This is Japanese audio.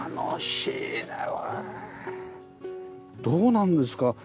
どうなんですか？